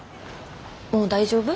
もう大丈夫？